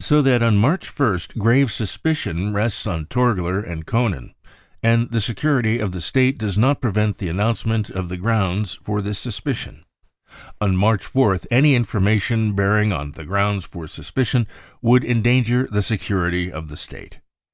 So that on March 1st grave suspicion rests on Torgler and Koenen, and the security of the State does not prevent the announcement of the grounds for this suspicion. On March 4th any information bearing on the grounds for suspicion would endanger the security of the State.